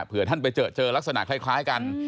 เพื่อท่านไปเจอเจอลักษณะคล้ายกัน